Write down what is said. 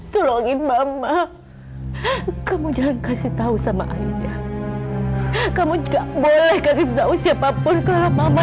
tolongin mama kamu jangan kasih tahu sama ayahnya kamu gak boleh kasih tahu siapapun kau mama